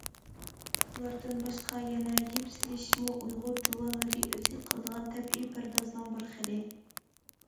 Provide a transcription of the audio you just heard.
بۇلاردىن باشقا يەنە يىپ سېلىشمۇ ئۇيغۇر جۇۋانلىرى ئۆزى قىلىدىغان تەبىئىي پەردازنىڭ بىر خىلى.